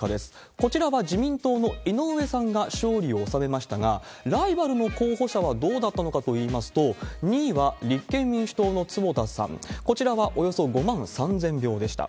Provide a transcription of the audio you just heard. こちらは自民党の井上さんが勝利を納めましたが、ライバルの候補者はどうだったのかといいますと、２位は立憲民主党の坪田さん、こちらはおよそ５万３０００票でした。